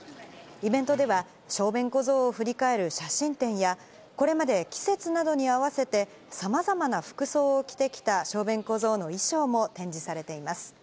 イベントでは、小便小僧を振り返る写真展や、これまで季節などに合わせて、さまざまな服装を着てきた小便小僧の衣装も展示されています。